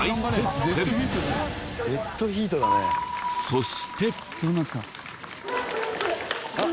そして。